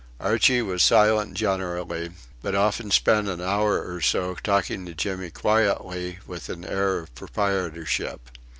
Archie was silent generally, but often spent an hour or so talking to Jimmy quietly with an air of proprietorship.